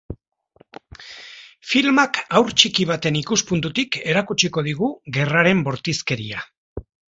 Filmak haur txiki baten ikuspuntutik erakutsiko digu gerraren bortizkeria.